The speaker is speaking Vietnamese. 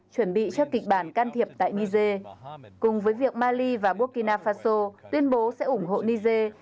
chuẩn bị cho kịch bản can thiệp tại niger cùng với việc mali và burkina faso tuyên bố sẽ ủng hộ niger